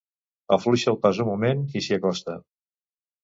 Afluixa el pas un moment i s'hi acosta.